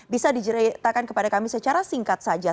bisa diceritakan kepada kami secara singkat saja